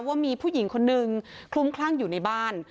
ว่ามีผู้หญิงคนนึงคลุ้มคลั่งอยู่ในบ้าน